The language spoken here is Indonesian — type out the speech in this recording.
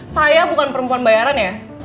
saya bukan perempuan bayaran ya